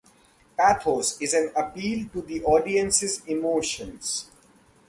Pathos is an appeal to the audience's emotions.